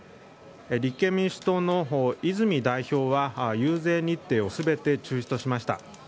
立憲民主党の泉代表は遊説日程を全て中止としました。